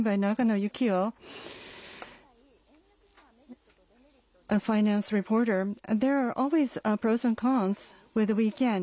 はい。